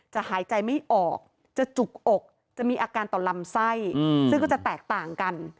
หายใจไม่ออกจะจุกอกจะมีอาการต่อลำไส้ซึ่งก็จะแตกต่างกัน